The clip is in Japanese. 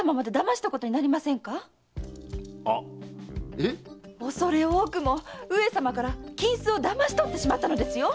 えっ⁉おそれ多くも上様から金子をだまし取ってしまったのですよ！